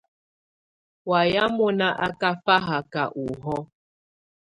Wayɛ̀á mɔ́ná á ká fáhaká ɔhɔ̀ɔ̀.